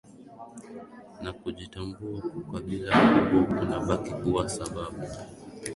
na kujitambua kwa kabila kubwa kunabaki kuwa sababu